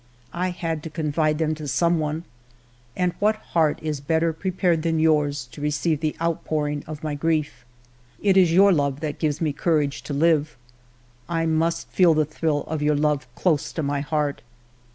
I had to confide them 56 FIVE YEARS OF MY LIFE to some one ! And what heart is better pre pared than yours to receive the outpouring of my grief? ... It is your love that gives me cour age to live. I must feel the thrill of your love close to my heart.